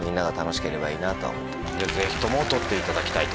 ぜひとも取っていただきたいと。